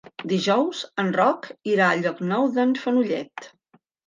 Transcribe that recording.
Dijous en Roc irà a Llocnou d'en Fenollet.